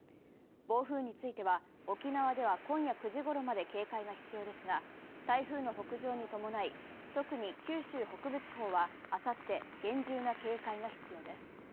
暴風については沖縄では今夜９時ごろまで警戒が必要ですが、台風の北上に伴い特に九州北部地方はあさって厳重な警戒が必要です。